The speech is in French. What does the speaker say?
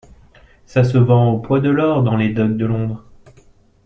Ça se vend au poids de l'or dans les docks de Londres!